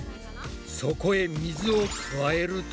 そこへ水を加えると。